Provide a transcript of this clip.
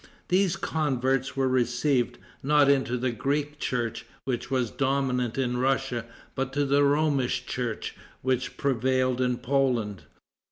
These converts were received, not into the Greek church, which was dominant in Russia, but to the Romish church, which prevailed in Poland.